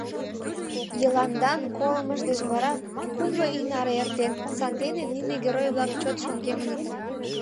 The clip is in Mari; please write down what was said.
Йыландан колымыж деч вара кумло ий наре эртен, сандене нине герой-влак чот шоҥгемыныт.